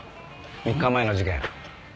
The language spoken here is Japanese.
３日前の事件。